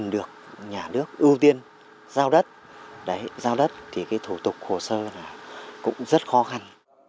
được nhà nước ưu tiên giao đất thì cái thủ tục hồ sơ là cũng rất khó khăn